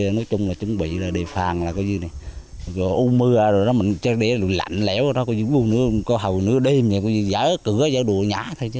nói chung là tình trạng của gia đình